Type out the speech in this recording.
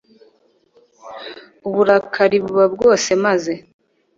uburakari buba bwose maze